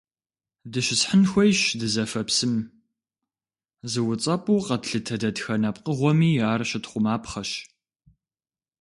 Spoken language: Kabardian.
Дыщысхьын хуейщ дызэфэ псым, зыуцӀэпӀу къэтлъытэ дэтхэнэ пкъыгъуэми ар щытхъумапхъэщ.